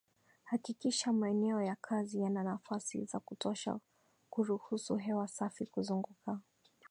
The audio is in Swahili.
Hakikisha maeneo ya kazi yana nafasi za kutosha kuruhusu hewa safi kuzunguka